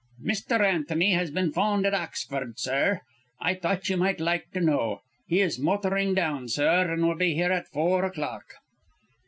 "Mr. Antony has been 'phoned at Oxford, sir. I thought you might like to know. He is motoring down, sir, and will be here at four o'clock."